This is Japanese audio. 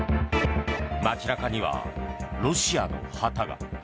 街中にはロシアの旗が。